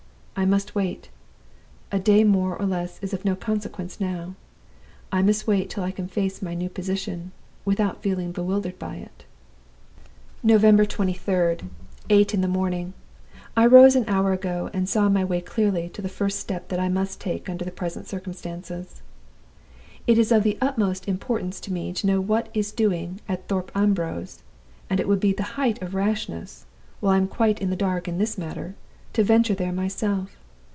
I must wait a day more or less is of no consequence now I must wait till I can face my new position, without feeling bewildered by it." "November 23d. Eight in the morning. I rose an hour ago, and saw my way clearly to the first step that I must take under present circumstances. "It is of the utmost importance to me to know what is doing at Thorpe Ambrose; and it would be the height of rashness, while I am quite in the dark in this matter, to venture there myself.